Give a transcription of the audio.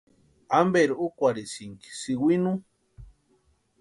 ¿Amperi úkwarhisïnki sïwinu?